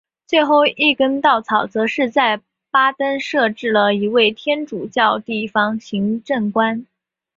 最后一根稻草则是在巴登设置了一位天主教地方行政官。